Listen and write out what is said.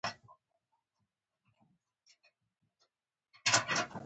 د جنرال حيدر خان لخوا نورستان فتحه شو.